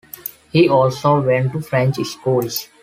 He also went to French schools.